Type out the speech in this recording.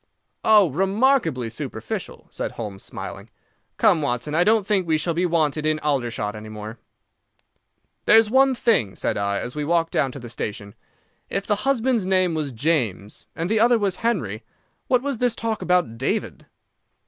"Oh, remarkably superficial," said Holmes, smiling. "Come, Watson, I don't think we shall be wanted in Aldershot any more." "There's one thing," said I, as we walked down to the station. "If the husband's name was James, and the other was Henry, what was this talk about David?"